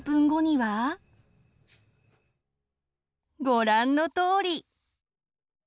ご覧のとおり！